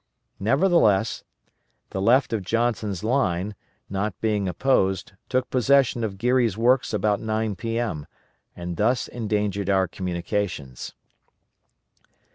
Nevertheless, the left of Johnson's line, not being opposed, took possession of Geary's works about 9 P.M. and thus endangered our communications.